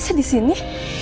gak berani bisa disini